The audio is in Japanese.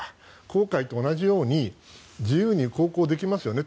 公海と同じように自由に航行できますよね